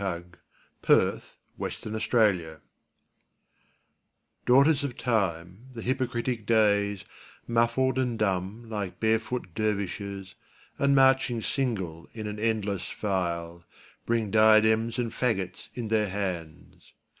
Ralph Waldo Emerson Days DAUGHTERS of Time, the hypocritic Days, Muffled and dumb like barefoot dervishes, And marching single in an endless file, Bring diadems and faggots in their hands.